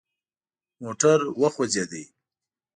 موټر وخوځید.